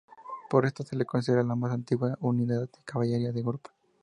Por esto le se considera la más antigua unidade de Caballería de Europa.